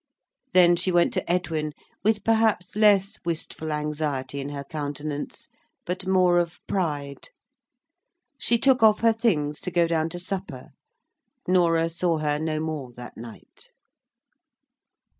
Then she went to Edwin, with perhaps less wistful anxiety in her countenance, but more of pride. She took off her things, to go down to supper. Norah saw her no more that night.